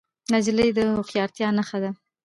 نجلۍ د هوښیارتیا نښه ده.